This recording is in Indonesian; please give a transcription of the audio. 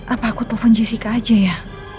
apa aku telepon jessica aja ya